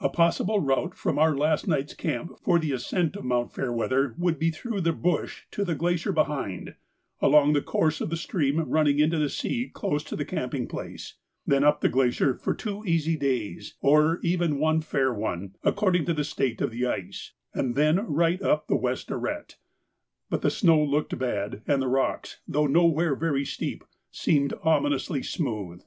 A possible route from our last night's camp for the ascent of Mount Fairweather would be through the bush to the glacier behind, along the course of the stream running into the sea close to the camping place; then up the glacier for two easy days, or even one fair one, according to the state of the ice, and then right up the west arête; but the snow looked bad, and the rocks, though nowhere very steep, seemed ominously smooth.